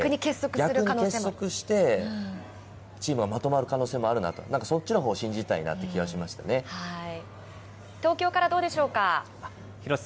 逆に結束して、チームがまとまる可能性もあるなと、なんかそっちのほうを信じたいなという気東京からどうでしょうか。